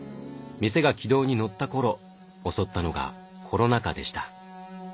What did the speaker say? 店が軌道に乗った頃襲ったのがコロナ禍でした。